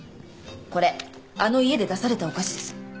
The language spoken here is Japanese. これあの家で出されたお菓子です。